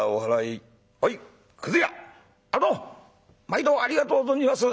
毎度ありがとう存じます。